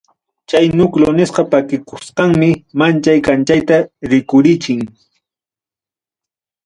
Chay núcleo nisqa pakikusqanmi manchay kanchayta rikurichin.